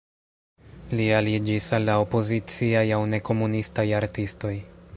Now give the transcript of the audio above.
Li aliĝis al la opoziciaj aŭ ne-komunistaj artistoj.